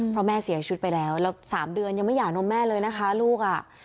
เพราะแม่เสียชีวิตไปแล้วแล้ว๓เดือนยังไม่อยากนมแม่เลยนะคะลูกอ่ะ